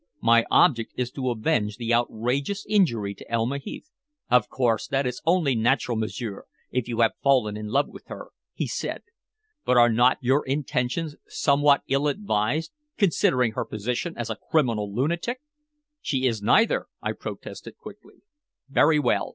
My object is to avenge the outrageous injury to Elma Heath." "Of course. That is only natural, m'sieur, if you have fallen in love with her," he said. "But are not your intentions somewhat ill advised considering her position as a criminal lunatic?" "She is neither," I protested quickly. "Very well.